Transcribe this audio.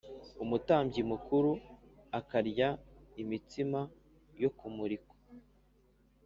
Umutambyi mukuru akarya imitsima yo kumurikwa